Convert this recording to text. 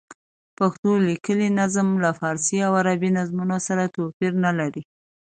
پښتو لیکلی نظم له فارسي او عربي نظمونو سره توپیر نه لري.